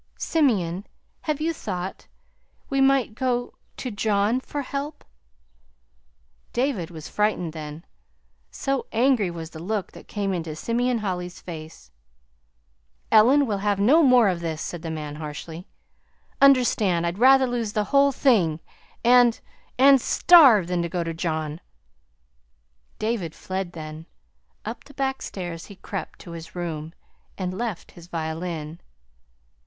"Simeon, have you thought? We might go to John for help." David was frightened then, so angry was the look that came into Simeon Holly's face. "Ellen, we'll have no more of this," said the man harshly. "Understand, I'd rather lose the whole thing and and starve, than go to John." David fled then. Up the back stairs he crept to his room and left his violin.